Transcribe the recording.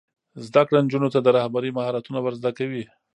زده کړه نجونو ته د رهبرۍ مهارتونه ور زده کوي.